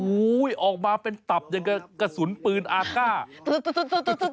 โอ้โหออกมาเป็นตับอย่างกับกระสุนปืนอาก้า